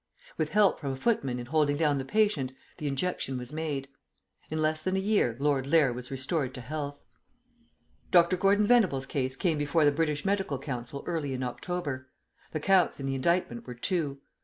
With help from a footman in holding down the patient, the injection was made. In less than a year Lord Lair was restored to health. ..... Dr. Gordon Venables' case came before the British Medical Council early in October. The counts in the indictment were two.